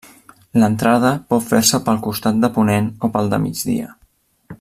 L'entrada pot fer-se pel costat de ponent o pel de migdia.